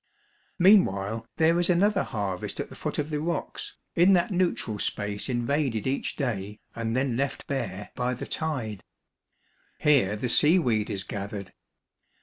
Meanwhile there is another harvest at the foot of the rocks, in that neutral space invaded each day, and then left bare, by the tide. Here the seaweed is gathered.